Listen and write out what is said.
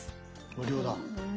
無料だ。